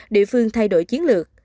địa phương thay đổi chiến lược